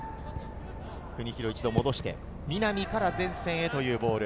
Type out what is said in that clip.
国広が一度戻して、南から前線へというボール。